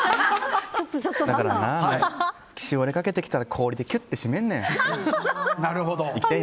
だからな、しおれかけてきたら氷でキュッと締めるねん。